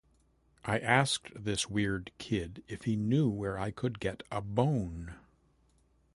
I asked this weird kid if he knew where I could get a bone.